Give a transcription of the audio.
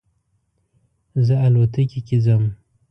زه الوتکې کې ځم